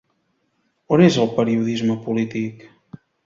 On és el periodisme polític?